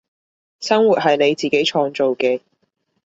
生活係你自己創造嘅